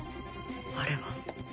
あれは。